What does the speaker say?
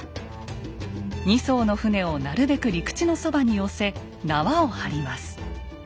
２艘の船をなるべく陸地のそばに寄せ縄を張ります。